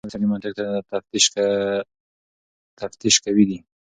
خو ځینې وختونه د سړي منطق تر تفتيش قوي وي.